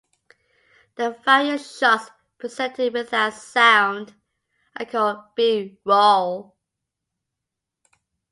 The various shots presented without sound are called "B-roll".